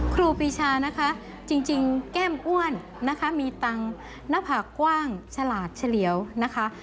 ครูปีชานะคะจริงแก้มอ้วนนะคะมีตังค์หน้าผากกว้างฉลาดเฉลี่ยวนะคะ